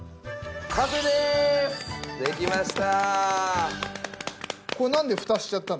できました。